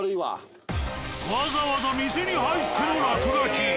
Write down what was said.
わざわざ店に入っての落書き。